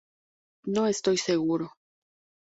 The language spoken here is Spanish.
No estoy seguro.